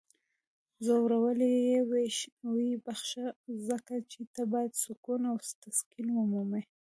ځورولی یی یې؟ ویې بخښه. ځکه چی ته باید سکون او تسکین ومومې!